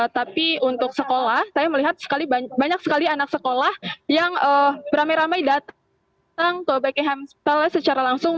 tapi untuk sekolah saya melihat banyak sekali anak sekolah yang beramai ramai datang ke beckham palace secara langsung